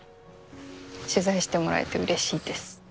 取材してもらえてうれしいです。